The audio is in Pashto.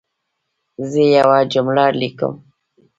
زه یوه جمله لیکم.